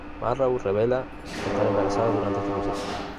Marrow revela estar embarazada durante este proceso.